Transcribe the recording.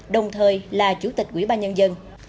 đồng thời là chủ tịch quỹ ba nhân dân